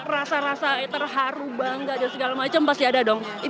rasa rasa terharu bangga dan segala macam pasti ada dong